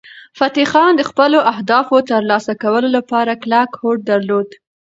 فتح خان د خپلو اهدافو د ترلاسه کولو لپاره کلک هوډ درلود.